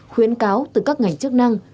khuyến cáo từ các ngành chức năng